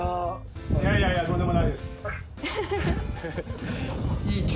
いやいやとんでもないです。